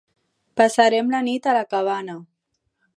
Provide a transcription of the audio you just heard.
Passarem la nit a la cabana.